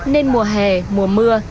nên mùa hè mùa mưa